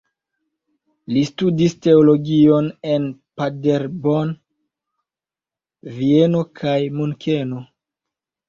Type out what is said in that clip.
Li studis teologion en Paderborn, Vieno kaj Munkeno.